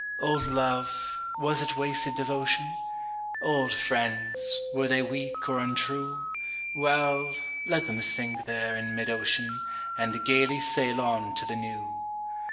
Old love, was it wasted devotion? Old friends, were they weak or untrue? Well, let them sink there in mid ocean, And gaily sail on to the new.